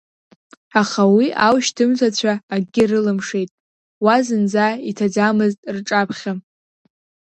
Аха уи аушьҭымҭацәа акгьы рылымшеит уа зынӡа иҭаӡамыз рҿаԥхьа.